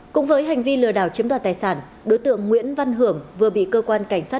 cũng với hành vi lừa đảo chiếm đoạt tài sản đối tượng nguyễn văn hưởng vừa bị cơ quan cảnh sát